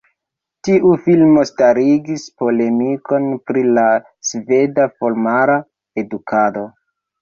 Tiu filmo starigis polemikon pri la sveda formala edukado.